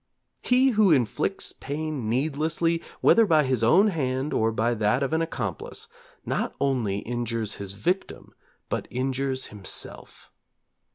He who inflicts pain needlessly, whether by his own hand or by that of an accomplice, not only injures his victim, but injures himself.